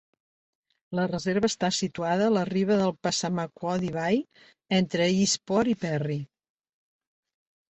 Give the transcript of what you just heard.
La reserva està situada a la riba de Passamaquoddy Bay, entre Eastport i Perry.